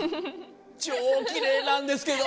超キレイなんですけど！